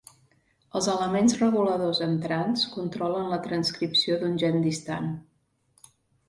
Els elements reguladors en trans controlen la transcripció d'un gen distant.